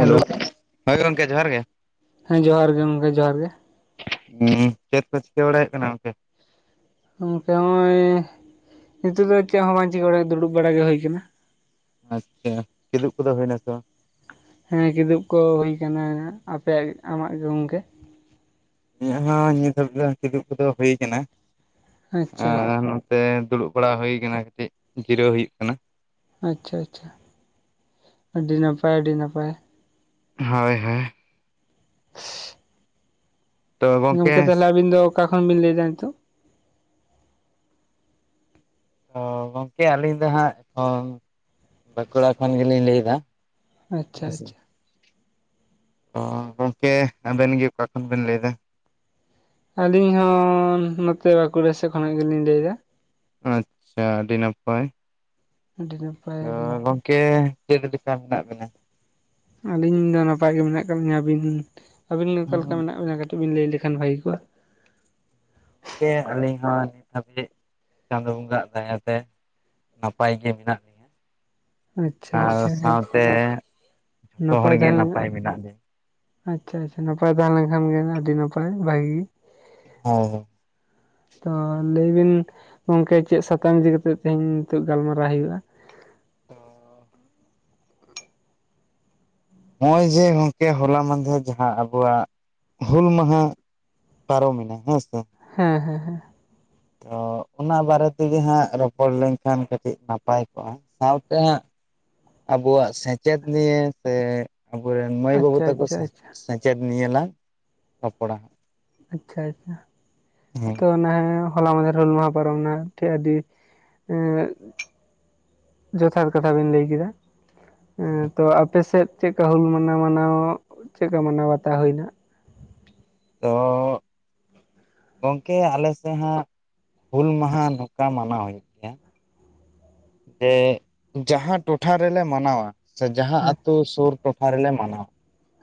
Hello ᱦᱳᱭ ᱜᱚᱢᱠᱮ ᱡᱚᱦᱟᱨ ᱜᱮ᱾ ᱦᱮᱸ ᱡᱚᱦᱟᱨ ᱜᱮ ᱜᱚᱢᱠᱮ ᱡᱚᱦᱟᱨ ᱜᱮ ᱦᱮᱸ ᱪᱮᱫ ᱠᱚ ᱪᱤᱠᱟᱹ ᱵᱟᱲᱟᱭᱮᱫ ᱠᱟᱱᱟ ᱜᱚᱢᱠᱮ ᱜᱚᱝᱠᱮ ᱦᱚᱸᱜᱼᱚᱭ ᱱᱤᱛᱳᱜ ᱫᱚ ᱪᱮᱫ ᱦᱚᱸ ᱵᱟᱧᱪᱤᱠᱟ ᱵᱟᱲᱟ ᱫᱩᱲᱩᱵ ᱵᱟᱲᱟ ᱜᱮ ᱦᱩᱭᱠᱟᱱᱟ᱾ ᱟᱪᱪᱷᱟ ᱠᱤᱫᱩᱵ ᱠᱚᱫᱚ ᱦᱩᱭᱮᱱᱟ ᱥᱮ ᱵᱟᱝ ᱦᱮᱸ ᱠᱤᱫᱩᱜ ᱠᱚ ᱦᱩᱭ ᱠᱟᱱᱟ ᱟᱯᱮᱭᱟᱜ, ᱟᱢᱟᱜ ᱜᱮ ᱜᱚᱝᱠᱮ ᱤᱧᱟᱹᱜ ᱦᱚᱸ ᱱᱤᱛ ᱦᱟᱹᱵᱤᱡ ᱠᱤᱫᱩᱜ ᱠᱚᱫᱚ ᱦᱩᱭ ᱟᱠᱟᱱᱟ ᱟᱪᱪᱷᱟ ᱟᱨ᱾ ᱱᱚᱛᱮ ᱫᱩᱲᱩᱵ ᱵᱟᱲᱟ ᱦᱩᱭ ᱠᱟᱱᱟ ᱠᱟᱹᱴᱤᱡ, ᱡᱤᱨᱟᱹᱣ ᱦᱩᱭᱩᱜ ᱠᱟᱱᱟ ᱟᱪᱪᱷᱟ ᱟᱪᱪᱷᱟ ᱟᱹᱰᱤ ᱱᱟᱯᱟᱭ ᱟᱹᱰᱤ ᱱᱟᱯᱟᱭ ᱦᱳᱭ ᱦᱳᱭ ᱜᱚᱝᱠᱮ ᱛᱟᱦᱚᱞᱮ ᱟᱵᱤᱱ ᱫᱚ ᱚᱠᱟ ᱠᱷᱚᱱ ᱵᱤᱱ ᱞᱟᱹᱭ ᱮᱫᱟ ᱱᱤᱛᱚᱜ ᱛᱚ ᱜᱚᱝᱠᱮ ᱟᱹᱞᱤᱧ ᱫᱚ ᱦᱟᱸᱜ ᱚ ᱵᱟᱸᱠᱩᱲᱟ ᱠᱷᱚᱱ ᱜᱮᱞᱤᱧ ᱞᱟᱹᱭᱫᱟ ᱟᱪᱪᱷᱟ ᱦᱮᱸ ᱥᱮ ᱟᱪᱪᱷᱟ ᱚ ᱜᱚᱝᱠᱮ ᱟᱵᱮᱱ ᱜᱮ ᱚᱠᱟ ᱠᱷᱚᱱ ᱵᱮᱱ ᱞᱟᱹᱭ ᱮᱫᱟ ᱟᱹᱞᱤᱧ ᱦᱚᱸ ᱱᱚᱛᱮ ᱵᱟᱸᱠᱩᱲᱟ ᱥᱮᱫ ᱠᱷᱚᱱᱟᱜ ᱜᱮᱞᱤᱧ ᱞᱟᱹᱭ ᱮᱫᱟ ᱟᱪᱪᱷᱟ ᱟᱹᱰᱤ ᱱᱟᱯᱟᱭ [unintelligible] ᱛᱚ ᱱᱟᱯᱟᱭ ᱜᱚᱝᱠᱮ ᱪᱮᱫ ᱞᱮᱠᱟ ᱢᱮᱱᱟᱜ ᱵᱮᱱᱟ ᱟᱹᱞᱤᱧ ᱫᱚ ᱱᱟᱯᱟᱭ ᱜᱮ ᱢᱮᱱᱟᱜ ᱟᱠᱟᱫ ᱞᱤᱧᱟᱹ ᱟᱹᱵᱤᱱ ᱟᱹᱵᱤᱱ ᱚᱠᱟ ᱞᱮᱠᱟ ᱜᱚᱝᱠᱮ ᱢᱮᱱᱟᱜ ᱵᱤᱱᱟ ᱠᱟᱹᱴᱤᱡ ᱵᱤᱱ ᱞᱟᱹᱭ ᱞᱮᱠᱷᱟᱱ ᱵᱷᱟᱹᱜᱤ ᱠᱚᱜᱼᱟ᱾ ᱟᱹᱞᱤᱧ ᱦᱚᱸ ᱱᱤᱛ ᱦᱟᱹᱵᱤᱡ ᱪᱟᱸᱫᱳ ᱵᱚᱸᱜᱟ ᱭᱟᱜ ᱫᱟᱭᱟᱛᱮ ᱱᱟᱯᱟᱭ ᱜᱮ ᱢᱮᱱᱟᱜ ᱞᱤᱧᱟᱹ᱾ ᱟᱪᱪᱷᱟ ᱟᱨ ᱟᱪᱪᱷᱟ ᱥᱟᱶᱛᱮ ᱡᱚᱛᱚ ᱦᱚᱲ ᱱᱟᱯᱟᱭ ᱜᱮᱮ ᱛᱟᱦᱮᱸ ᱞᱮᱱ ᱱᱟᱯᱟᱭ ᱢᱮᱱᱟᱜ ᱞᱮᱭᱟ ᱟᱪᱪᱷᱟ ᱟᱪᱪᱷᱟ ᱱᱟᱯᱟᱭ ᱛᱟᱦᱮᱸ ᱞᱮᱱ ᱠᱷᱟᱱ ᱜᱮ ᱟᱹᱰᱤ ᱱᱟᱯᱟᱭ ᱵᱷᱟᱜᱤ᱾ ᱦᱳᱭ ᱛᱚ ᱞᱟᱹᱭᱵᱤᱱ ᱜᱚᱝᱠᱮ ᱪᱮᱫ ᱥᱟᱛᱟᱢ ᱤᱫᱤᱠᱟ ᱠᱟᱛᱮᱜ ᱛᱮᱦᱮᱧ, ᱱᱤᱛᱚᱜ ᱜᱟᱞᱢᱟᱨᱟᱣ ᱦᱩᱭᱩᱜᱼᱟ [unintelligible] ᱱᱚᱜ ᱚᱭ ᱡᱮ ᱜᱚᱝᱠᱮ ᱦᱚᱞᱟ ᱢᱟᱫᱷᱮᱨ ᱡᱟᱦᱟᱸ ᱟᱵᱚᱣᱟᱜ ᱦᱩᱞ ᱢᱟᱦᱟ᱾ ᱯᱟᱨᱚᱢᱮᱱᱟ ᱦᱮᱸ ᱥᱮ ᱦᱮᱸ ᱦᱮᱸ ᱦᱮᱸ ᱛᱚ ᱚᱱᱟ ᱵᱟᱨᱮ ᱛᱮᱜᱮ ᱦᱟᱸᱜ ᱨᱚᱯᱚᱲ ᱞᱮᱱᱠᱷᱟᱱ ᱠᱟᱹᱴᱤᱡ ᱱᱟᱯᱟᱭ ᱠᱚᱜᱼᱟ ᱥᱟᱶᱛᱮ ᱦᱟᱸᱜ ᱟᱵᱚᱣᱟᱜ ᱥᱮᱪᱮᱫ ᱱᱤᱭᱮ ᱛᱮ ᱟᱵᱚᱨᱮᱱ ᱢᱟᱹᱭ ᱵᱟᱹᱵᱩ ᱟᱪᱪᱷᱟ ᱛᱟᱠᱚ ᱟᱪᱪᱷᱟ ᱟᱪᱪᱷᱟ ᱥᱮᱪᱮᱫ ᱱᱤᱭᱮ ᱞᱟᱝ ᱨᱚᱯᱚᱲᱟ ᱟᱪᱪᱷᱟ ᱟᱪᱪᱷᱟ ᱦᱮᱸ ᱛᱚ ᱚᱱᱟ ᱦᱚᱞᱟ ᱢᱟᱫᱷᱮᱨ ᱦᱩᱞ ᱢᱟᱦᱟ ᱯᱟᱨᱚᱢ ᱱᱟ ᱴᱷᱮᱡ ᱟᱹᱰᱤ ᱡᱚᱛᱷᱟᱛ ᱠᱟᱛᱷᱟ ᱵᱤᱱ ᱞᱟᱹᱭ ᱠᱮᱫᱟ ᱛᱚ ᱟᱯᱮ ᱥᱮᱫ ᱪᱮᱫᱠᱟ ᱦᱩᱞ ᱢᱟᱱᱟᱣ ᱢᱟᱱᱟᱣ ᱪᱮᱫᱠᱟ ᱢᱟᱱᱟᱣ ᱵᱟᱛᱟᱣ ᱦᱩᱭᱱᱟ ᱛᱚ ᱜᱚᱝᱠᱮ ᱟᱞᱮ ᱥᱮᱫ ᱦᱟᱸᱜ ᱦᱩᱞ ᱢᱟᱦᱟ ᱱᱚᱝᱠᱟ ᱢᱟᱱᱟᱣ ᱦᱩᱭᱩᱜ ᱜᱮᱭᱟ ᱡᱮ ᱡᱟᱦᱟᱸ ᱴᱚᱴᱷᱟ ᱨᱮᱞᱮ ᱢᱟᱱᱟᱣᱟ ᱥᱮ ᱡᱟᱦᱟᱸ ᱦᱮᱸ ᱟᱹᱛᱳ ᱥᱳᱨ ᱴᱚᱴᱷᱟ ᱨᱮᱞᱮ ᱢᱟᱱᱟᱣᱟ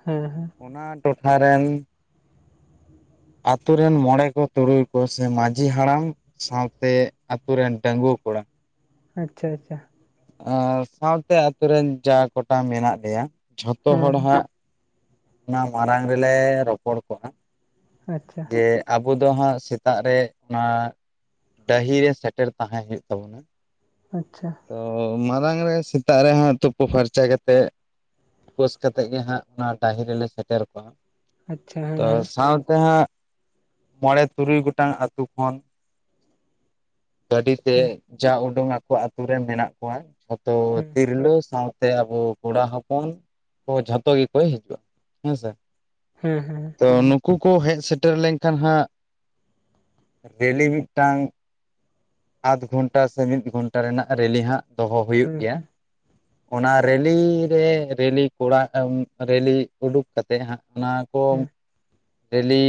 ᱦᱮᱸ ᱚᱱᱟ ᱴᱚᱴᱷᱟ ᱨᱮᱱ ᱟᱛᱳ ᱨᱮᱱ ᱢᱚᱬᱮ ᱠᱚ ᱛᱩᱨᱩᱭ ᱠᱚ ᱥᱮ ᱢᱟᱺᱡᱷᱤ ᱦᱟᱲᱟᱢ ᱥᱟᱶᱛᱮ ᱟᱛᱳ ᱨᱮᱱ ᱰᱟᱹᱜᱩᱣᱟ ᱠᱚᱲᱟ ᱟᱪᱪᱷᱟ ᱟᱪᱪᱷᱟ ᱟᱨ ᱥᱟᱶᱛᱮ ᱟᱹᱛᱳ ᱨᱮᱱ ᱡᱟ ᱠᱳᱴᱟ ᱢᱮᱱᱟᱜ ᱞᱮᱭᱟ ᱡᱷᱚᱛᱚ ᱦᱮᱸ ᱦᱚᱲ ᱦᱮᱸ ᱦᱟᱸᱜ ᱚᱱᱟ ᱢᱟᱨᱟᱝ ᱨᱮᱞᱮ ᱨᱚᱯᱚᱲ ᱠᱚᱝ ᱟ ᱟᱪᱪᱷᱟ ᱡᱮ ᱟᱵᱚ ᱫᱚ ᱦᱟᱸᱜ ᱥᱮᱛᱟᱜ ᱨᱮ ᱚᱱᱟ ᱰᱟᱹᱦᱤ ᱨᱮ ᱥᱮᱴᱮᱨ ᱛᱟᱦᱮᱸ ᱦᱩᱭᱩᱜ ᱛᱟᱵᱚᱱᱟ ᱟᱪᱪᱷᱟ ᱛᱚ ᱢᱟᱲᱟᱝ ᱨᱮ ᱥᱮᱛᱟᱜ ᱨᱮ ᱦᱟᱸᱜ ᱛᱳᱯᱳ ᱯᱷᱟᱨᱪᱟ ᱠᱟᱛᱮᱫ ᱩᱯᱟᱹᱥ ᱠᱟᱛᱮᱫ ᱜᱮ ᱦᱟᱸᱜ ᱚᱱᱟ ᱰᱟᱺᱦᱤ ᱨᱮᱞᱮ ᱥᱮᱴᱮᱨ ᱠᱚᱣᱟ ᱟᱪᱪᱷᱟ ᱛᱚ ᱦᱮᱸ ᱥᱟᱶᱛᱮ ᱦᱟᱸᱜ ᱢᱚᱬᱮ ᱛᱩᱨᱩᱭ ᱜᱚᱴᱟᱝ ᱟᱛᱳ ᱠᱷᱚᱱ ᱜᱟᱹᱰᱤᱛᱮ ᱦᱮᱸ ᱡᱟ ᱩᱰᱩᱝ ᱠᱚ ᱟᱛᱳ ᱨᱮᱱ ᱢᱮᱱᱟᱜ ᱠᱚᱣᱟ ᱡᱚᱛᱚ ᱦᱮᱸ ᱦᱮᱸ ᱛᱤᱨᱞᱟᱹ ᱥᱟᱶᱛᱮ ᱟᱵᱚ ᱠᱚᱲᱟ ᱦᱚᱯᱚᱱ ᱠᱚ ᱡᱷᱚᱛᱚ ᱜᱮᱠᱚ ᱦᱤᱡᱩᱜᱼᱟ ᱦᱮᱸ ᱥᱮ ᱦᱮᱸ ᱦᱮᱸ ᱛᱚ ᱱᱩᱠᱩ ᱠᱚ ᱦᱮᱡ ᱥᱮᱴᱮᱨ ᱞᱮᱝᱠᱷᱟᱱ ᱦᱟᱸᱜ ᱨᱮᱞᱤ ᱢᱤᱫᱴᱟᱝ ᱟᱫᱽ ᱜᱷᱚᱱᱴᱟ ᱥᱮ ᱢᱤᱫ ᱜᱷᱚᱱᱴᱟ ᱨᱮᱱᱟᱜ ᱨᱮᱞᱤ ᱦᱟᱸᱜ ᱫᱚᱦᱚ ᱦᱮᱸ ᱦᱩᱭᱩᱜ ᱦᱮᱸ ᱜᱮᱭᱟ ᱚᱱᱟ ᱨᱮᱞᱤ ᱨᱮ ᱨᱮᱞᱤ ᱠᱚᱲᱟ ᱨᱮᱞᱤ ᱩᱰᱩᱠ ᱠᱟᱛᱮᱫ ᱦᱟᱸᱜ ᱚᱱᱟ ᱠᱚ ᱦᱮᱸ ᱨᱮᱞᱤ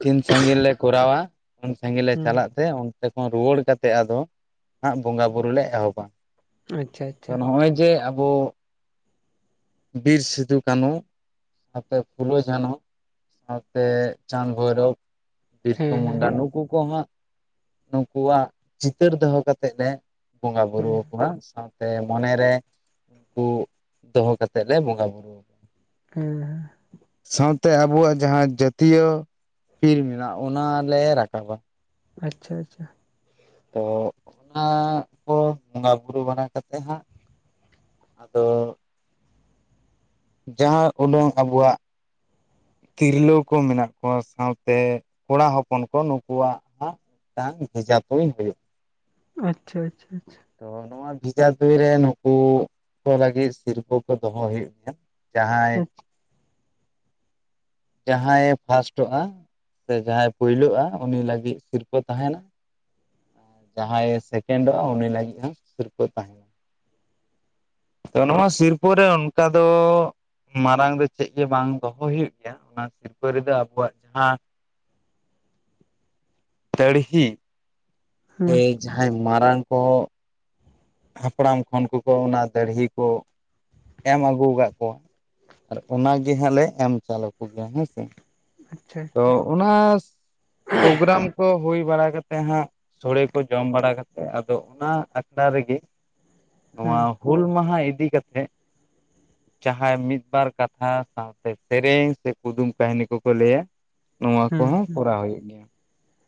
ᱛᱤᱱ ᱥᱟᱹᱜᱤᱧ ᱞᱮ ᱠᱚᱨᱟᱣᱟ ᱩᱱ ᱥᱟᱸᱜᱤ ᱞᱮ ᱦᱮᱸ ᱪᱟᱞᱟᱜ ᱛᱮ ᱚᱱᱛᱮ ᱠᱷᱚᱱ ᱨᱩᱣᱟᱹᱲ ᱠᱟᱛᱮᱫ ᱟᱫᱚ ᱦᱟᱸᱜ ᱵᱚᱸᱜᱟ ᱵᱩᱨᱩ ᱞᱮ ᱮᱦᱚᱵᱼᱟ ᱟᱪᱪᱷᱟ ᱟᱪᱪᱷᱟ ᱚᱛ ᱱᱚᱜᱼᱚᱭ ᱡᱮ ᱟᱵᱚ ᱵᱤᱨ ᱥᱤᱫᱩ ᱠᱟᱱᱩ ᱥᱟᱛᱮ ᱯᱷᱩᱞᱚ ᱡᱷᱟᱱᱚ ᱥᱟᱶᱛᱮ ᱪᱟᱸᱫᱽ ᱵᱷᱳᱭᱨᱚᱵᱽ ᱵᱤᱨᱥᱚ ᱦᱮᱸ ᱦᱮᱸ ᱢᱩᱱᱰᱟ ᱱᱩᱠᱩ ᱠᱚ ᱦᱟᱸᱜ ᱱᱩᱠᱩᱣᱟᱜ ᱪᱤᱛᱟᱹᱨ ᱫᱚᱦᱚ ᱠᱟᱛᱮᱫ ᱮ ᱵᱚᱸᱜᱟ ᱵᱩᱨᱩ ᱦᱮᱸ ᱟᱠᱚᱣᱟ ᱥᱟᱶ ᱥᱮ ᱢᱚᱱᱮ ᱨᱮ ᱩᱱᱠᱩ ᱫᱚᱦᱚ ᱠᱟᱛᱮᱫ ᱞᱮ ᱵᱚᱸᱜᱟ ᱵᱩᱨᱩ ᱦᱩᱸ ᱥᱟᱶᱛᱮ ᱟᱵᱚᱣᱟᱜ ᱡᱟᱦᱟᱸ ᱡᱟᱹᱛᱤᱭᱚ ᱯᱤᱞ ᱢᱮᱱᱟᱜ ᱚᱱᱟᱞᱮ ᱨᱟᱠᱟᱵᱟ ᱟᱪᱪᱷᱟ ᱟᱪᱪᱷᱟ ᱛᱚ ᱚᱱᱟ ᱠᱚ ᱵᱚᱸᱜᱟ ᱵᱩᱨᱩ ᱵᱟᱲᱟ ᱠᱟᱛᱮ ᱦᱟᱸᱜ ᱟᱫᱚ ᱡᱟᱦᱟᱸ ᱩᱰᱩᱝ ᱟᱵᱚᱣᱟᱜ ᱛᱤᱨᱞᱟᱹ ᱠᱚ ᱢᱮᱱᱟᱜ ᱠᱚᱣᱟ ᱥᱟᱶᱛᱮ ᱠᱚᱲᱟ ᱦᱚᱯᱚᱱ ᱠᱚ ᱱᱩᱠᱩᱣᱟᱜ ᱦᱟᱸᱜ ᱴᱟᱝ ᱵᱮᱡᱷᱟ ᱛᱩ ᱦᱳᱭᱳᱜ ᱟᱪᱪᱷᱟ ᱟᱪᱪᱷᱟ ᱟᱪᱪᱷᱟ ᱛᱚ ᱱᱚᱣᱟ ᱵᱮᱡᱷᱟ ᱛᱩᱧ ᱨᱮ ᱱᱩᱠᱩ ᱠᱚ ᱞᱟᱹᱜᱤᱫ ᱥᱤᱨᱯᱟᱹ ᱠᱚ ᱫᱚᱦᱚ ᱦᱩᱭᱩᱜ ᱜᱮᱭᱟ ᱡᱟᱦᱟᱸᱭ ᱟᱪᱪᱷᱟ [inaudible] ᱡᱟᱦᱟᱸᱭᱮ ᱯᱷᱟᱥᱴᱚᱜᱼᱟ ᱥᱮ ᱡᱟᱦᱟᱸᱭ ᱯᱳᱭᱞᱳᱼᱟ ᱩᱱᱤ ᱞᱟᱹᱜᱤᱫ ᱥᱤᱨᱯᱟᱹ ᱛᱟᱦᱮᱱᱟ᱾ ᱡᱟᱦᱟᱸᱭᱮ ᱥᱮᱠᱮᱱᱰᱚᱜᱼᱟ ᱩᱱᱤ ᱞᱟᱹᱜᱤᱫ ᱦᱚᱸ ᱥᱤᱨᱯᱟᱹ ᱛᱟᱦᱮᱱᱟ᱾ [inaudible] ᱛᱚ ᱱᱚᱣᱟ ᱥᱤᱨᱯᱟᱹ ᱨᱮ ᱚᱱᱠᱟ ᱫᱚ ᱢᱟᱲᱟᱝ ᱫᱚ ᱪᱮᱫ ᱜᱮ ᱵᱟᱝ ᱫᱚᱦᱚ ᱦᱩᱭᱩᱜ ᱜᱮᱭᱟ ᱚᱱᱟ ᱥᱤᱨᱯᱟᱹ ᱨᱮᱫᱚ ᱟᱵᱚᱣᱟᱜ ᱡᱟᱦᱟᱸ [inaudible] ᱫᱟᱲᱦᱤ, ᱥᱮ ᱦᱮᱸ ᱡᱟᱦᱟᱸᱭ ᱢᱟᱨᱟᱝ ᱠᱚ ᱦᱟᱯᱲᱟᱢ ᱠᱷᱚᱱ ᱠᱚ ᱠᱚ ᱚᱱᱟ ᱫᱟᱹᱲᱦᱤ ᱠᱚ ᱮᱢ ᱟᱹᱜᱩ ᱟᱠᱟᱫ ᱠᱚᱣᱟ, ᱟᱨ ᱚᱱᱟ ᱜᱮ ᱦᱟᱸᱜ ᱞᱮ ᱮᱢ ᱪᱟᱞᱟ ᱠᱚᱜᱮᱭᱟ ᱦᱮᱸ ᱥᱮ ᱾ ᱟᱪᱪᱷᱟ ᱛᱚ ᱟᱪᱪᱷᱟ ᱚᱱᱟ, ᱯᱨᱳᱜᱨᱟᱢ ᱠᱚ ᱦᱩᱭ ᱵᱟᱲᱟ ᱠᱟᱛᱮᱜ ᱦᱟᱸᱜ ᱥᱚᱲᱮ ᱠᱚ ᱡᱚᱢ ᱵᱟᱲᱟ ᱠᱟᱛᱮᱫ ᱟᱫᱚ ᱚᱱᱟ ᱟᱠᱷᱲᱟ ᱨᱮᱜᱮ [inaudible] ᱱᱚᱣᱟ ᱦᱩᱞ ᱢᱟᱦᱟᱸ ᱤᱫᱤ ᱠᱟᱛᱮᱜ ᱡᱟᱦᱟᱸᱭ ᱢᱤᱫ ᱵᱟᱨ ᱠᱟᱛᱷᱟ ᱥᱟᱶᱛᱮ ᱥᱮᱨᱮᱧ ᱥᱮ ᱠᱩᱫᱩᱢ ᱠᱟᱹᱦᱱᱤ ᱠᱚᱠᱚ ᱞᱟᱹᱭᱟ ᱾ ᱱᱚᱣᱟ ᱦᱮᱸ ᱠᱚᱦᱚᱸ ᱦᱮᱸ ᱠᱚᱨᱟᱣ ᱦᱩᱭᱩᱜ ᱜᱮᱭᱟ,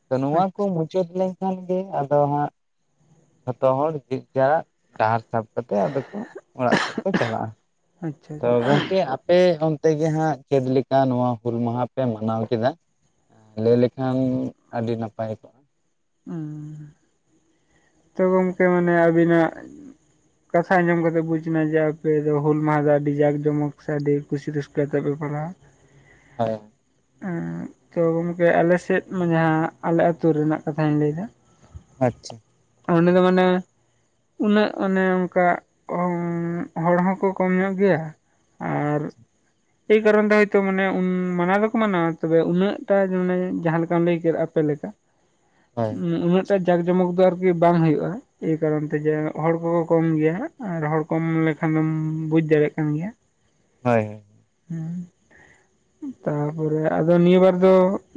ᱛᱚ ᱱᱚᱣᱟ ᱠᱚ ᱟᱪᱪᱷᱟ ᱢᱩᱪᱟᱹᱫ ᱞᱮᱱᱠᱷᱟᱱ ᱜᱮ ᱟᱫᱚ ᱦᱟᱸᱜ, ᱡᱷᱚᱛᱚ ᱦᱚᱲ ᱡᱤᱨ ᱡᱟᱨ ᱰᱟᱦᱟᱨ ᱥᱟᱵ ᱠᱟᱛᱮ ᱟᱫᱚ ᱠᱚ ᱚᱲᱟᱜ ᱥᱮᱫ ᱠᱚ ᱪᱟᱞᱟᱜᱼᱟ, ᱟᱪᱪᱷᱟ ᱛᱚ ᱜᱚᱢᱠᱮ ᱟᱯᱮ ᱛᱮᱜᱮ ᱦᱟᱸᱜ ᱪᱮᱫ ᱞᱮᱠᱟ ᱱᱚᱣᱟ ᱦᱩᱞ ᱢᱟᱦᱟ ᱯᱮ ᱢᱟ ᱧᱟᱢ ᱠᱮᱫᱟ, ᱞᱟᱹᱭ ᱞᱮᱠᱷᱟᱱ ᱟᱹᱰᱤ ᱱᱟᱯᱟᱭ ᱠᱚᱜᱼᱟ ᱾ [unintelligible] ᱛᱚ ᱜᱚᱝᱠᱮ ᱢᱟᱱᱮ ᱟᱵᱤᱱᱟᱜ ᱠᱟᱛᱷᱟ ᱟᱡᱚᱢ ᱠᱟᱛᱮ ᱵᱩᱡᱽ ᱮᱱᱟ ᱡᱮ ᱟᱯᱮ ᱫᱚ ᱦᱩᱞᱢᱟᱦᱟ ᱫᱚ ᱟᱰᱤ ᱡᱟᱠ ᱡᱚᱢᱚᱠ ᱥᱮ ᱟᱰᱤ ᱠᱩᱥᱤ ᱨᱟᱹᱥᱠᱟᱹ ᱛᱮ ᱯᱮ ᱢᱟᱱᱟᱣᱟ᱾ [inaudible] ᱦᱚᱭ [unintelligible] [unintelligible] ᱛᱚ ᱜᱚᱝᱠᱮ ᱟᱞᱮᱥᱮᱫ ᱢᱟ ᱡᱟᱦᱟᱸ ᱟᱞᱮ ᱟᱹᱛᱩ ᱨᱮᱱᱟᱜ ᱠᱟᱛᱷᱟᱧ ᱞᱟᱹᱭᱮᱫᱟᱼᱼ ᱟᱪᱪᱷᱟ᱾ ᱩᱱᱤ ᱫᱚ ᱢᱟᱱᱮ ᱩᱱᱟᱹᱜ ᱚᱱᱮ ᱚᱱᱠᱟ [inaudible] ᱦᱚᱲ ᱦᱚᱸᱠᱚ ᱠᱚᱢ ᱧᱚᱜ ᱜᱮᱭᱟ ᱟᱨ ᱮᱭ ᱠᱟᱨᱚᱱ ᱛᱮ ᱦᱚᱭᱛᱳ ᱢᱟᱱᱮ ᱩᱱ, [inaudible] ᱢᱟᱱᱟᱣ ᱫᱚᱠᱚ ᱢᱟᱱᱟᱣᱟ ᱛᱚᱵᱮ ᱩᱱᱟᱹᱜ ᱴᱟᱜ ᱢᱟᱱᱮ ᱡᱟᱦᱟᱸ ᱞᱮᱠᱟᱢ ᱞᱟᱹᱭ ᱠᱮᱫ ᱟᱯᱮ ᱞᱮᱠᱟ ᱦᱳᱭ ᱩᱸ ᱩᱱᱟᱹᱜ ᱴᱟᱜ ᱡᱟᱸᱠ ᱡᱚᱢᱚᱠ ᱫᱚ ᱟᱨᱠᱤ ᱵᱟᱝ ᱦᱩᱭᱩᱜᱼᱟ᱾ ᱮᱭ ᱠᱟᱨᱚᱱ ᱛᱮ ᱡᱮ ᱦᱚᱲ ᱠᱚ ᱠᱚ ᱠᱚᱢ ᱜᱮᱭᱟ ᱟᱨ ᱦᱚᱲ ᱠᱚᱢ ᱞᱮᱱᱠᱷᱟᱱ ᱫᱚᱢ ᱵᱩᱡᱽ ᱫᱟᱲᱮᱭᱟᱜ ᱠᱟᱱ ᱜᱮᱭᱟ ᱾ ᱦᱳᱭ ᱦᱳᱭ ᱾ ᱦᱩᱸ [unintelligible] ᱛᱟᱯᱚᱨᱮ ᱟᱫᱚ ᱱᱤᱭᱟᱹᱵᱟᱨ ᱫᱚ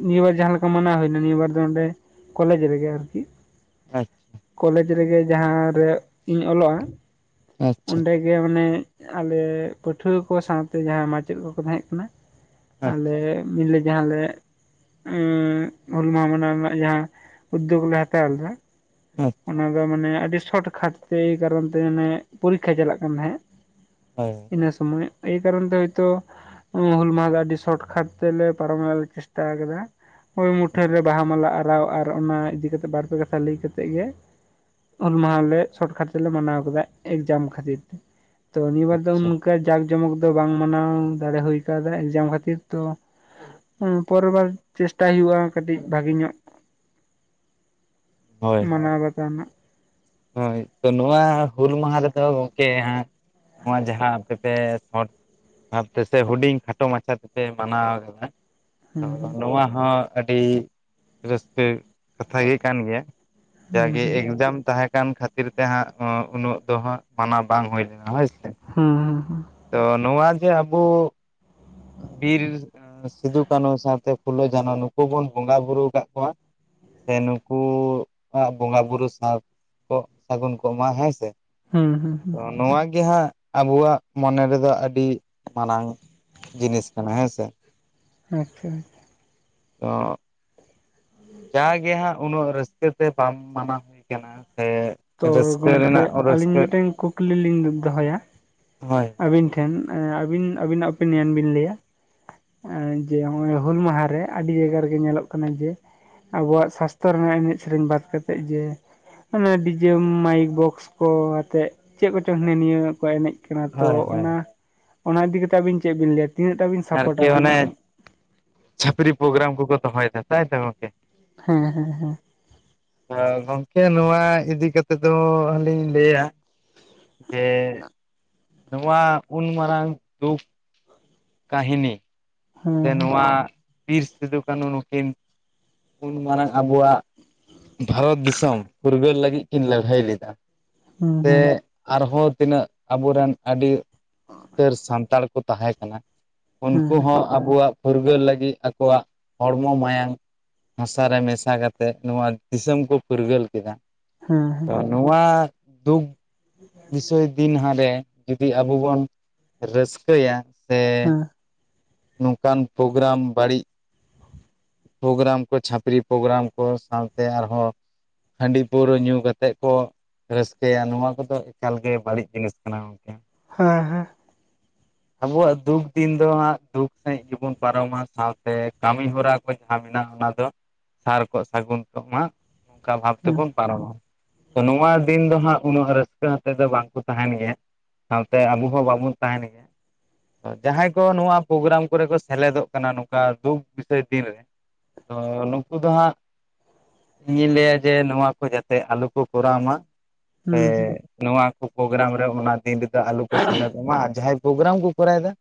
ᱱᱤᱭᱟᱹ ᱵᱟᱨ ᱡᱟᱦᱟᱸ ᱞᱮᱠᱟ ᱢᱟᱱᱟᱣ ᱦᱩᱭᱱᱟ ᱱᱤᱭᱟᱹ ᱵᱟᱨ ᱫᱚ ᱚᱸᱰᱮ ᱠᱚᱞᱮᱡᱽ ᱨᱮᱜᱮ ᱟᱨᱠᱤ ᱾ ᱟᱪᱪᱷᱟ᱾ ᱠᱚᱞᱮᱡᱽ ᱨᱮᱜᱮ ᱡᱟᱦᱟᱸᱨᱮ ᱤᱧ ᱚᱞᱚᱜᱼᱟ ᱟᱪᱪᱷᱟ ᱚᱸᱰᱮᱜᱮ ᱾ ᱜᱮ ᱢᱟᱱᱮ ᱟᱞᱮ, ᱯᱟᱹᱴᱷᱩᱣᱟᱹ ᱠᱚ ᱥᱟᱶᱛᱮ ᱡᱟᱦᱟᱸᱭ ᱢᱟᱪᱮᱫ ᱠᱚ ᱠᱚ ᱛᱟᱦᱮᱜᱸ ᱠᱟᱱᱟ ᱾ ᱟᱞᱮ ᱟᱪᱪᱷᱟ ᱧᱤᱞᱟᱹ [unintelligible] ᱡᱟᱦᱟᱸᱞᱮ ᱩᱸ ᱦᱩᱞ ᱢᱟᱦᱟ ᱢᱟᱱᱟᱣ ᱨᱮᱱᱟᱜ ᱡᱟᱦᱟᱸ ᱩᱫᱽᱫᱳᱜᱽ ᱞᱮ ᱦᱟᱛᱟᱣ ᱞᱮᱫᱟ ᱟᱪᱪᱷᱟ ᱚᱱᱟ ᱫᱚ ᱢᱟᱱᱮ ᱟᱹᱰᱤ ᱥᱚᱴ ᱠᱷᱟᱴ ᱛᱮ, ᱮᱭ ᱠᱟᱨᱚᱱ ᱛᱮ ᱢᱟᱱᱮ ᱯᱚᱨᱤᱠᱠᱷᱟ ᱪᱟᱞᱟᱜ ᱠᱟᱱ ᱛᱟᱦᱮᱸᱫ᱾ ᱦᱳᱭ ᱾ ᱤᱱᱟᱹ ᱥᱚᱢᱚᱭ, ᱮᱭ ᱠᱟᱨᱚᱱ ᱛᱮ ᱦᱳᱭᱛᱚ ᱦᱩᱞ ᱢᱟᱦᱟᱸ ᱫᱚ ᱟᱹᱰᱤ ᱥᱚᱴ ᱠᱷᱟᱴ ᱛᱮᱞᱮ ᱯᱟᱨᱚᱢ ᱨᱮᱭᱟᱜ ᱞᱮ ᱪᱮᱥᱴᱟ ᱟᱠᱟᱫᱟ᱾ ᱳᱭ ᱢᱩᱴᱷᱟᱹᱱ ᱨᱮ ᱵᱟᱦᱟ ᱢᱟᱞᱟ ᱟᱨᱟᱣ ᱟᱨ ᱚᱱᱟ ᱤᱫᱤ ᱠᱟᱛᱮ ᱵᱟᱨᱯᱮ ᱠᱟᱛᱷᱟ ᱞᱟᱹᱭ ᱠᱟᱛᱮ ᱾ ᱛᱮᱫ ᱜᱮ, ᱦᱩᱞ ᱢᱟᱦᱟᱸ ᱞᱮ ᱥᱚᱴ ᱠᱷᱟᱴ ᱛᱮᱞᱮ ᱢᱟᱱᱟᱣ ᱠᱮᱫᱟ ᱮᱠᱡᱟᱢ ᱠᱷᱟᱹᱛᱤᱨ ᱛᱮ᱾ ᱛᱚ ᱱᱤᱭᱟᱹ ᱵᱟᱨ ᱫᱚ ᱟᱪᱪᱷᱟ ᱱᱚᱝᱠᱟ ᱡᱟᱸᱠ ᱡᱚᱢᱚᱠ ᱫᱚ ᱵᱟᱝ ᱢᱟᱱᱟᱣ ᱫᱟᱲᱮ ᱦᱩᱭ ᱠᱟᱣᱫᱟ ᱮᱠᱡᱟᱢ ᱠᱷᱟᱹᱛᱤᱨ ᱛᱚ ᱾ ᱦᱩᱸ ᱯᱚᱨᱮᱨ ᱵᱟᱨ ᱪᱮᱥᱴᱟᱭ ᱦᱩᱭᱩᱜᱼᱟ ᱠᱟᱹᱴᱤᱡ ᱵᱟᱜᱤ ᱧᱚᱜᱼᱼ ᱢᱟᱱᱟᱣ ᱵᱟᱛᱟᱣ ᱦᱟᱸᱜ ᱾ ᱦᱚᱭ ᱛᱚ, ᱱᱚᱣᱟ ᱦᱩᱞ ᱢᱟᱦᱟ ᱨᱮᱫᱚ ᱜᱚᱝᱠᱮ ᱦᱟᱸᱜᱼᱼ ᱱᱚᱣᱟ ᱡᱟᱦᱟᱸ ᱟᱯᱮ ᱯᱮ ᱥᱚᱴᱼᱼ ᱵᱷᱟᱵᱽ ᱛᱮᱥᱮ ᱦᱩᱰᱤᱧ ᱠᱷᱟᱴᱚ ᱢᱟᱪᱷᱟ ᱛᱮᱯᱮ ᱢᱟᱱᱟᱣ ᱠᱟᱫᱟ ᱦᱩᱸ ᱾ ᱱᱚᱣᱟ ᱦᱚᱸ ᱟᱹᱰᱤ ᱨᱟᱹᱥᱠᱟᱹ ᱠᱟᱛᱷᱟ ᱜᱮ ᱠᱟᱱ ᱜᱮᱭᱟ, ᱦᱩᱸ ᱡᱟᱜᱮ ᱦᱩᱸ ᱮᱠᱡᱟᱢ ᱛᱟᱦᱮᱸ ᱠᱟᱱ ᱠᱷᱟᱹᱛᱤᱨ ᱛᱮ ᱦᱟᱸᱜ ᱩᱱᱟᱹᱜ ᱫᱚ ᱦᱟᱸᱜ ᱢᱟᱱᱟᱣ ᱵᱟᱝ ᱦᱩᱭ ᱞᱮᱱᱟ ᱦᱳᱭ ᱥᱮ᱾ ᱦᱩᱸ ᱦᱩᱸ ᱦᱩ᱾ ᱛᱚ ᱱᱚᱣᱟ ᱡᱮ ᱟᱵᱩ ᱵᱤᱨ ᱥᱤᱫᱩ ᱠᱟᱹᱱᱩ ᱥᱟᱶᱛᱮ ᱯᱷᱩᱞᱳ ᱡᱷᱟᱱᱚ ᱱᱩᱠᱩ ᱵᱚᱱ ᱵᱚᱸᱜᱟ ᱵᱩᱨᱩ ᱠᱟᱜ ᱠᱚᱣᱟ, ᱥᱮ ᱱᱩᱠᱩ ᱣᱟᱜ ᱵᱚᱸᱜᱟ ᱵᱩᱨᱩ ᱥᱟᱨ ᱠᱚᱜ ᱥᱟᱹᱜᱩᱱ ᱠᱚᱜ ᱢᱟ ᱦᱮᱸ ᱥᱮ, ᱦᱩᱸ ᱦᱩᱸ ᱛᱚ ᱦᱩᱸ ᱱᱚᱣᱟ ᱜᱮ ᱦᱟᱸᱜ ᱟᱵᱚᱣᱟᱜ ᱢᱚᱱᱮ ᱨᱮᱫᱚ ᱟᱹᱰᱤ ᱢᱟᱨᱟᱝ ᱡᱤᱱᱤᱥ ᱠᱟᱱᱟ ᱦᱮᱸ ᱥᱮ᱾ ᱟᱪᱪᱷᱟ, ᱟᱪᱪᱷᱟ᱾ ᱛᱚ ᱡᱟᱦᱟᱸᱭ ᱜᱮ ᱦᱟᱸᱜ ᱩᱱᱟᱹᱜ ᱨᱟᱹᱥᱠᱟᱹ ᱛᱮ ᱵᱟᱢ ᱢᱟᱱᱟᱣ ᱦᱩᱭ ᱠᱟᱱᱟ ᱥᱮ, ᱛᱚ ᱨᱟᱹᱥᱠᱟᱹ ᱜᱚᱝ ᱠᱮ ᱨᱮᱱᱟᱜ ᱟᱹᱞᱤᱧ ᱨᱟᱹᱥᱠᱟᱹ ᱢᱮᱴᱮᱝ ᱠᱩᱠᱞᱤ ᱞᱤᱧ ᱫᱚᱦᱚᱭᱟ? ᱦᱚᱭ᱾ ᱟᱵᱤᱱ ᱴᱷᱮᱱ ᱟᱹᱵᱤᱱ ᱟᱵᱤᱱᱟᱜ ᱩᱯᱮᱱᱤᱭᱮᱱ ᱵᱤᱱ ᱞᱟᱹᱭᱟ, ᱡᱮ ᱦᱚᱜᱼᱚᱭ ᱦᱩᱞ ᱢᱟᱦᱟ ᱨᱮ ᱟᱹᱰᱤ ᱡᱟᱭᱜᱟ ᱨᱮᱜᱮ ᱧᱮᱞᱚᱜ ᱠᱟᱱᱟ ᱡᱮ ᱟᱵᱚᱣᱟᱜ ᱥᱟᱥᱛᱚ ᱨᱮᱱᱟᱜ ᱮᱱᱮᱡ ᱥᱮᱨᱮᱧ ᱵᱟᱫ ᱠᱟᱛᱮᱜ ᱡᱮ ᱦᱟᱱᱮ ᱰᱤᱡᱮ, ᱢᱟᱭᱤᱠ, ᱵᱚᱠᱥ, ᱠᱚ ᱟᱛᱮᱜ ᱪᱮᱜ ᱠᱚᱪᱚᱝ ᱦᱤᱱᱟᱹ ᱱᱤᱭᱟᱹ ᱠᱚ ᱮᱱᱮᱡ ᱠᱟᱱᱟ ᱛᱚ ᱦᱳᱭ ᱦᱳᱭ ᱚᱱᱟ ᱚᱱᱟ ᱤᱫᱤ ᱠᱟᱛᱮ ᱟᱵᱤᱱ ᱪᱮᱜ ᱵᱤᱱ ᱞᱟᱹᱭᱟ ᱛᱤᱱᱟᱹᱜ ᱴᱟᱵᱤᱱ? ᱟᱨᱠᱤ ᱚᱱᱮ ᱪᱷᱟᱹᱯᱨᱤ ᱯᱳᱜᱜᱨᱟᱢ ᱠᱚᱠᱚ ᱫᱚᱦᱚᱭ ᱫᱟ ᱛᱟᱭᱛᱚ ᱜᱚᱝᱠᱮ? ᱦᱮᱸ ᱦᱮᱸ ᱦᱮᱸ ᱜᱚᱝᱠᱮ ᱱᱚᱣᱟ ᱤᱫᱤ ᱠᱟᱛᱮ ᱫᱚ ᱟᱹᱞᱤᱧ ᱞᱟᱹᱭᱟ, ᱡᱮ ᱱᱚᱣᱟ ᱩᱱ ᱢᱟᱨᱟᱝ ᱫᱩᱠ ᱠᱟᱹᱦᱤᱱᱤ ᱦᱮᱸ ᱥᱮ ᱱᱚᱣᱟ ᱵᱤᱨ ᱥᱤᱫᱩ ᱠᱟᱹᱱᱩ ᱱᱩᱠᱤᱱ ᱩᱱ ᱢᱟᱨᱟᱝ ᱟᱵᱚᱣᱟᱜ ᱵᱷᱟᱨᱚᱛ ᱫᱤᱥᱚᱢ ᱯᱷᱩᱨᱜᱟᱹᱞ ᱞᱟᱹᱜᱤᱜ ᱠᱤᱱ ᱞᱟᱹᱲᱦᱟᱹᱭ ᱞᱮᱫᱟ, ᱦᱮᱸ ᱥᱮ ᱦᱮᱸ ᱟᱨᱦᱚᱸ ᱛᱤᱱᱟᱹᱜ ᱟᱵᱩ ᱨᱮᱱ ᱟᱹᱰᱤ ᱩᱛᱟᱹᱨ ᱥᱟᱱᱛᱟᱲ ᱠᱚ ᱛᱟᱦᱮᱸ ᱠᱟᱱᱟ ᱦᱮᱸ ᱩᱱᱠᱩ ᱦᱚᱸ ᱟᱵᱚᱣᱟᱜ ᱯᱷᱩᱨᱜᱟᱹᱞ ᱞᱟᱹᱜᱤᱜ ᱟᱠᱚᱣᱟᱜ ᱦᱚᱲᱢᱚ, ᱢᱟᱭᱟᱝ, ᱦᱟᱸᱥᱟ ᱨᱮ ᱢᱮᱥᱟ ᱠᱟᱛᱮᱫ ᱱᱚᱣᱟ ᱫᱤᱥᱚᱢ ᱠᱚ ᱯᱷᱩᱨᱜᱟᱹᱞ ᱠᱮᱫᱟ᱾ ᱦᱮᱸ ᱦᱮᱸ᱾ ᱛᱚ ᱱᱚᱣᱟ ᱫᱩᱠ [inaudible] ᱵᱤᱥᱚᱭ ᱫᱤᱱ ᱦᱟᱸᱰᱮ ᱡᱩᱫᱤ ᱟᱵᱚ ᱵᱚᱱ ᱨᱟᱹᱥᱠᱟᱹᱭᱟ ᱥᱮ ᱦᱮᱸ ᱱᱚᱝᱠᱟᱱ ᱯᱳᱜᱨᱟᱢ ᱵᱟᱹᱲᱤᱡ, ᱯᱳᱜᱨᱟᱢ ᱠᱚ ᱪᱷᱟᱹᱯᱨᱤ ᱯᱳᱜᱨᱟᱢ ᱠᱚ ᱥᱟᱶᱛᱮ ᱟᱨᱦᱚᱸ ᱦᱟᱹᱰᱤ ᱯᱟᱹᱣᱨᱟᱹ ᱧᱩ ᱠᱟᱛᱮᱜ ᱠᱚ ᱨᱟᱹᱥᱠᱟᱹᱭᱟ ᱱᱚᱣᱟ ᱠᱚᱫᱚ ᱮᱠᱟᱞ ᱜᱮ ᱵᱟᱹᱲᱤᱡ ᱡᱤᱱᱤᱥ ᱠᱟᱱᱟ ᱜᱚᱝᱠᱮ᱾ ᱦᱮᱸ ᱦᱮᱸ᱾ ᱟᱵᱚᱣᱟᱜ ᱫᱩᱠ ᱫᱤᱱ ᱫᱚ ᱦᱟᱸᱜ ᱫᱩᱠ ᱥᱟᱹᱦᱤᱡ ᱜᱮᱵᱚᱱ ᱯᱟᱨᱚᱢᱟ ᱥᱟᱶᱛᱮ ᱠᱟᱹᱢᱤ ᱦᱚᱨᱟ ᱠᱚ ᱡᱟᱦᱟᱸ ᱢᱮᱱᱟᱜ ᱚᱱᱟ ᱫᱚ ᱥᱟᱨ ᱠᱚᱜ ᱥᱟᱹᱜᱩᱱ ᱠᱚᱜ ᱢᱟ ᱱᱚᱝᱠᱟ ᱵᱷᱟᱵᱽ ᱦᱮᱸ ᱛᱮᱵᱚᱱ ᱯᱟᱨᱚᱢᱟ ᱛᱚ ᱱᱚᱣᱟ ᱫᱤᱱ ᱫᱚ ᱦᱟᱸᱜ ᱩᱱᱟᱹᱜ ᱨᱟᱹᱥᱠᱟᱹ ᱟᱹᱛᱮ ᱫᱚ ᱵᱟᱝ ᱠᱚ ᱛᱟᱦᱮᱸᱱ ᱜᱮᱭᱟ, ᱥᱟᱶᱛᱮ ᱟᱵᱚ ᱦᱚᱸ ᱵᱟᱵᱚᱱ ᱛᱟᱦᱮᱱ ᱜᱮᱭᱟ ᱡᱟᱦᱟᱸᱭ ᱠᱚ ᱱᱚᱣᱟ ᱯᱳᱜᱜᱨᱟᱢ ᱠᱚᱨᱮ ᱠᱚ ᱥᱮᱞᱮᱫᱚᱜ ᱠᱟᱱᱟ ᱱᱚᱝᱠᱟ ᱫᱩᱠ ᱵᱤᱥᱚᱭ ᱫᱤᱱ ᱨᱮ, ᱛᱚ ᱱᱩᱠᱩ ᱫᱚ ᱦᱟᱸᱜ ᱤᱧᱤᱧ ᱞᱟᱹᱭᱟ ᱡᱮ ᱱᱚᱣᱟ ᱠᱚ ᱡᱟᱛᱮ ᱟᱞᱩ ᱠᱩ ᱠᱚᱨᱟᱣ ᱢᱟ, ᱮᱻ ᱦᱩᱸ ᱦᱩᱸ ᱱᱚᱣᱟ ᱠᱚ ᱯᱨᱳᱜᱨᱟᱢ ᱨᱮ ᱚᱱᱟ ᱫᱤᱱ ᱨᱤᱫᱚ ᱟᱞᱩ ᱠᱩ ᱥᱮᱞᱮᱫᱚᱜ ᱢᱟ, ᱟᱨ ᱡᱟᱦᱟᱸᱭ ᱯᱨᱳᱜᱨᱟᱢ ᱠᱚ [unintelligible] ᱠᱚᱨᱟᱣᱫᱟ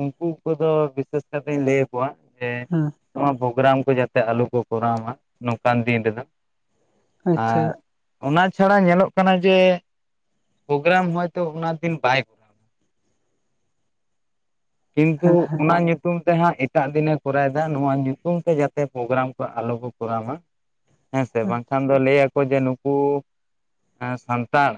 ᱩᱱᱠᱩ ᱠᱚᱫᱚ ᱵᱤᱥᱮᱥ ᱠᱟᱛᱮᱧ ᱞᱟᱹᱭ ᱟᱠᱚᱣᱟ, ᱡᱮ ᱦᱮᱸ ᱱᱚᱣᱟ ᱯᱨᱳᱜᱨᱟᱢ ᱠᱚ ᱡᱟᱛᱮ ᱟᱞᱩ ᱠᱩ ᱠᱚᱨᱟᱣ ᱢᱟ ᱱᱚᱝᱠᱟᱱ ᱫᱤᱱ ᱨᱮᱫᱚ, ᱟᱪᱪᱷᱟ ᱟᱨ ᱚᱱᱟ ᱪᱷᱟᱲᱟ ᱧᱮᱞᱚᱜ ᱠᱟᱱᱟ, ᱡᱮ ᱯᱨᱳᱜᱨᱟᱢ ᱦᱳᱭᱛᱚ ᱚᱱᱟ ᱫᱤᱱ ᱵᱟᱭ ᱛᱩ ᱦᱮᱸ ᱦᱮᱸ ᱚᱱᱟ ᱧᱩ ᱛᱩᱢ ᱛᱮ ᱦᱟᱸᱜ ᱮᱴᱟᱜ ᱫᱤᱱᱮ ᱠᱚᱨᱟᱣ ᱫᱟ, ᱱᱚᱣᱟ ᱧᱩᱛᱩᱢ ᱛᱮ ᱡᱟᱛᱮ ᱯᱨᱳᱜᱨᱟᱢ ᱠᱚ ᱟᱞᱚ ᱠᱚ ᱠᱚᱨᱟᱣ ᱢᱟ ᱦᱮᱸ ᱥᱮ ᱵᱟᱝ ᱵᱟᱝ ᱠᱷᱟᱱ ᱫᱚ ᱞᱟᱹᱭ ᱟᱠᱚ ᱡᱮ ᱱᱩᱠᱩ ᱥᱟᱱᱛᱟᱲ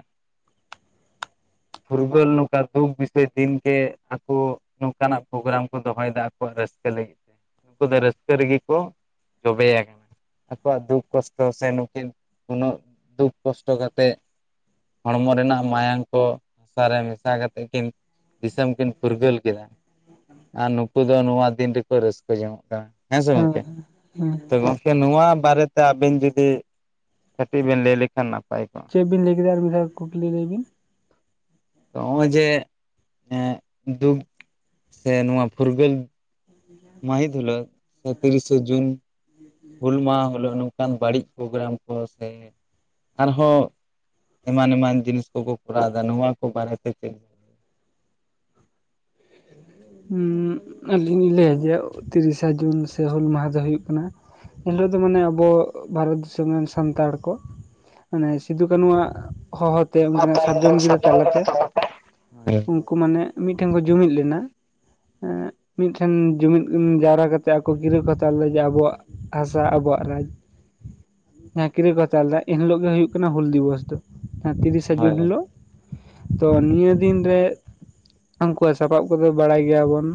ᱯᱷᱩᱨᱜᱟᱹᱞ ᱱᱚᱝᱠᱟ ᱫᱩᱠ ᱵᱤᱥᱚᱭ ᱫᱤᱱ ᱜᱮ ᱟᱠᱚ ᱱᱚᱝᱠᱟ ᱱᱟᱜ ᱯᱨᱳᱜᱨᱟᱢ ᱠᱚ ᱫᱚᱦᱚᱭ ᱫᱟ ᱟᱠᱚᱣᱟᱜ ᱨᱟᱹᱥᱠᱟᱹ ᱞᱟᱹᱜᱤᱫ ᱛᱮ, ᱩᱱᱩᱠᱩ ᱫᱚ ᱨᱟᱹᱥᱠᱟᱹ ᱨᱮᱜᱮ ᱠᱚ ᱡᱚᱵᱮ ᱟᱠᱟᱱᱟ᱾ ᱟᱠᱚᱣᱟᱜ ᱫᱩᱠ ᱠᱚᱥᱴᱚ ᱥᱮ ᱱᱩᱠᱤᱱ ᱩᱱᱟᱹᱜ ᱫᱩᱠ ᱠᱚᱥᱴᱚ ᱠᱟᱛᱮᱫ ᱦᱚᱲᱢᱚ ᱨᱮᱱᱟᱜ ᱢᱟᱭᱟᱝ ᱠᱚ ᱦᱟᱥᱟᱨᱮ ᱢᱮᱥᱟ ᱠᱟᱛᱮᱫ ᱠᱤᱱ ᱫᱤᱥᱚᱢ ᱠᱤᱱ ᱯᱷᱩᱨᱜᱟᱹᱞ ᱠᱮᱫᱟ ᱟᱨ ᱱᱩᱠᱩ ᱫᱚ ᱱᱚᱣᱟ ᱫᱤᱱ ᱨᱮᱠᱚ ᱨᱟᱹᱥᱠᱟᱹ ᱡᱚᱝᱼᱚᱜ ᱠᱟᱱᱟ᱾ ᱦᱮᱸ ᱥᱮ ᱜᱚᱝᱠᱮ? ᱦᱮᱸ [unintelligible] ᱱᱚᱣᱟ ᱵᱟᱨᱮ ᱛᱮ ᱟᱵᱤᱱ ᱡᱩᱫᱤ ᱠᱟᱹᱴᱤᱡ ᱵᱮᱱ ᱞᱟᱹᱭ ᱞᱮᱠᱷᱟᱱ ᱱᱟᱯᱟᱭ ᱠᱚᱜᱼᱟ᱾ ᱪᱮᱫ ᱵᱤᱱ ᱞᱟᱹᱭ ᱠᱮᱫᱟ, ᱟᱨ ᱢᱤᱫ ᱫᱷᱟᱣ ᱠᱩᱠᱞᱤ ᱞᱟᱹᱭ ᱵᱤᱱ ᱦᱚᱸᱜᱼᱚᱸᱭ ᱡᱮ ᱮᱸ ᱫᱩᱠ ᱥᱮ ᱱᱚᱣᱟ ᱯᱷᱩᱨᱜᱟᱹᱞ ᱢᱟᱹᱦᱤᱛ [unintelligible] ᱛᱤᱨᱤᱥᱮ ᱡᱩᱱ-ᱼ ᱦᱩᱞ ᱢᱟᱦᱟ ᱦᱤᱞᱳᱜ ᱱᱚᱝᱠᱟᱱ ᱵᱟᱹᱲᱤᱡ ᱯᱨᱳᱜᱨᱟᱢ ᱠᱚ ᱥᱮ ᱟᱨᱦᱚᱸ ᱮᱢᱟᱱ ᱮᱢᱟᱱ ᱡᱤᱱᱤᱥ ᱠᱚ ᱠᱚ ᱠᱚᱨᱟᱣ ᱮᱫᱟ, ᱱᱚᱣᱟ ᱠᱚ ᱵᱟᱨᱮ ᱛᱮ ᱪᱮᱫ ᱦᱩ ᱟᱞᱤᱧ ᱞᱟᱹᱭᱟ ᱡᱮ ᱛᱤᱨᱤᱥᱟ ᱡᱩᱱ ᱥᱮ ᱦᱩᱞ ᱢᱟᱦᱟ ᱫᱚ ᱦᱩᱭᱩᱜ ᱠᱟᱱᱟ ᱮᱱ ᱦᱤᱞᱚᱜ ᱫᱚ ᱢᱟᱱᱮ ᱟᱵᱚ ᱵᱷᱟᱨᱚᱛ ᱫᱤᱥᱚᱢ ᱨᱮᱱ ᱥᱟᱱᱛᱟᱲ ᱠᱚ ᱢᱟᱱᱮ ᱥᱤᱫᱩ ᱠᱟᱹᱱᱩᱣᱟᱜ ᱦᱚᱦᱚ ᱛᱮ ᱩᱱᱠᱤᱱᱟᱜ ᱥᱟᱨᱡᱚᱢ ᱜᱤᱨᱟᱹ, ᱛᱟᱞᱟᱛᱮ ᱦᱳᱭ ᱩᱱ ᱠᱩ ᱢᱟᱱᱮ ᱢᱤᱫᱴᱷᱮᱱ ᱠᱚ ᱡᱩᱢᱤᱫ ᱞᱮᱱᱟ ᱮᱸᱻ ᱢᱤᱫᱴᱷᱮᱱ ᱡᱩᱢᱤᱫ ᱡᱟᱣᱨᱟ ᱠᱟᱛᱮᱜ ᱟᱠᱚ ᱠᱤᱨᱟᱹ ᱠᱚ ᱦᱟᱛᱟᱣᱟ ᱞᱮᱫᱟ ᱡᱮ ᱟᱵᱚᱣᱟᱜ ᱦᱟᱥᱟ ᱟᱵᱚᱣᱟᱜ ᱨᱟᱡᱽ, ᱦᱮ ᱠᱤᱨᱟᱹ ᱠᱚ ᱦᱟᱛᱟᱣ ᱞᱮᱫᱟ, ᱮᱱ ᱦᱤᱞᱚᱜ ᱜᱮ ᱦᱩᱭᱩᱜ ᱠᱟᱱᱟ ᱦᱩᱞ ᱫᱤᱵᱚᱥ ᱫᱚ᱾ ᱦᱮᱸ ᱛᱤᱨᱤᱥᱟ ᱦᱳᱭ ᱡᱩᱱ ᱦᱤᱞᱳᱜ ᱛᱚ ᱱᱤᱭᱟᱹ ᱫᱤᱱᱨᱮ ᱩᱱᱠᱩᱣᱟᱜ ᱥᱟᱯᱟᱵ ᱵᱟᱲᱟᱭ ᱜᱮᱭᱟ ᱵᱚᱱ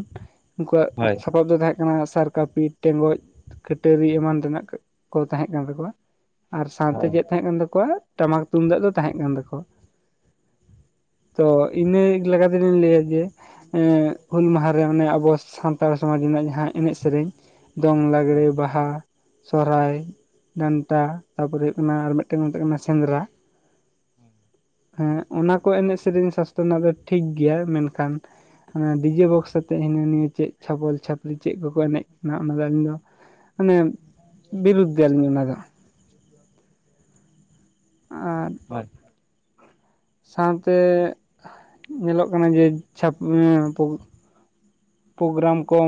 ᱩᱱᱠᱩᱣᱟᱜ ᱦᱳᱭ ᱥᱟᱯᱟᱵ ᱫᱚ ᱛᱟᱦᱮᱸ ᱠᱟᱱᱟ ᱥᱟᱨ ᱠᱟᱹᱯᱤ ᱴᱮᱸᱜᱚᱡ ᱠᱟᱹᱴᱟᱹᱨᱤ ᱮᱢᱟᱱ ᱨᱮᱱᱟᱜ ᱠᱚ ᱛᱟᱦᱮᱸ ᱠᱟᱱ ᱛᱟᱠᱚᱣᱟ, ᱟᱨ ᱥᱟᱶᱛᱮ ᱦᱳᱭ ᱪᱮᱫ ᱛᱟᱦᱮᱸ ᱠᱟᱱ ᱛᱟᱠᱚᱣᱟ? ᱴᱟᱢᱟᱠ ᱛᱩᱢᱫᱟᱜ ᱫᱚ ᱛᱟᱦᱮᱸᱜ ᱠᱟᱱ ᱛᱟᱠᱚᱣᱟ᱾ ᱛᱚ ᱤᱱᱟᱹ ᱞᱮᱠᱟ ᱛᱤᱧ ᱞᱟᱹᱭᱟ ᱡᱮ ᱮᱸ ᱻᱦᱩᱞ ᱢᱟᱦᱟ ᱨᱮ ᱚᱱᱮ ᱟᱵᱚ ᱥᱟᱱᱛᱟᱲ ᱥᱚᱢᱟᱡᱽ ᱨᱮᱱᱟᱜ ᱡᱟᱦᱟᱸ ᱮᱱᱮᱡ ᱥᱮᱨᱮᱧ ᱫᱚᱝ, ᱞᱟᱜᱽᱲᱮ, ᱵᱟᱦᱟ, ᱥᱚᱨᱦᱟᱭ ᱰᱟᱱᱴᱟ ᱛᱟᱯᱚᱨᱮ ᱦᱩᱭᱩᱜ ᱠᱟᱱᱟ ᱟᱨ ᱢᱮᱫᱽᱴᱮᱱ ᱢᱮᱛᱟᱜ ᱠᱟᱱᱟ ᱥᱮᱸᱫᱽᱨᱟ ᱦᱮᱸ ᱚᱱᱟ ᱠᱚ ᱮᱱᱮᱡ ᱥᱮᱨᱮᱧ ᱥᱟᱥᱛᱚᱨ ᱨᱮᱱᱟᱜ ᱫᱚ ᱴᱷᱤᱠ ᱜᱮᱭᱟ᱾ ᱢᱮᱱᱠᱷᱟᱱ ᱦᱮᱸ ᱰᱤᱡᱮ ᱵᱚᱠᱥ ᱟᱛᱮᱜ ᱦᱤᱱᱟᱹ ᱱᱤᱭᱟᱹ ᱪᱮᱫ ᱪᱷᱟᱯᱚᱞ ᱪᱷᱟᱯᱨᱤ ᱪᱮᱫ ᱠᱚᱠᱚ ᱮᱱᱮᱡ ᱠᱟᱱᱟ, ᱚᱱᱟ ᱫᱚ ᱟᱹᱞᱤᱧ ᱫᱚ ᱢᱟᱱᱮ ᱵᱤᱨᱩᱫᱷᱮ ᱟᱞᱤᱧ ᱚᱱᱟ ᱫᱚ᱾ ᱟᱨ [unintelligible] ᱥᱟᱶᱛᱮ ᱧᱮᱞᱚᱜ ᱠᱟᱱᱟ ᱡᱮ ᱪᱷᱟᱯ ᱯᱳ ᱯᱳᱜᱨᱟᱢ ᱠᱚᱸ